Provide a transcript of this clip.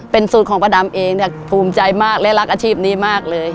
เป็นสูตรของป้าดำภูมิใจมากเลยรักอาชีพนี้มากเลย